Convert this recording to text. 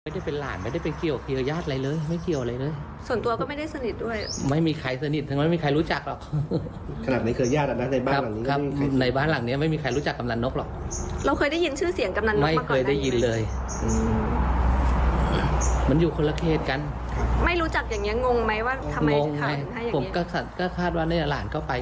ค่าว่านี่ลานก็ไปกับนายนี่แหละตามลุกพี่ไป